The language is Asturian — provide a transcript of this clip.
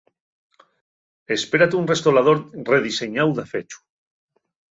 Espérate un restolador rediseñáu dafechu.